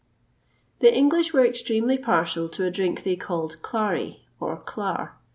The English were extremely partial to a drink they called Clarey, or Clarre.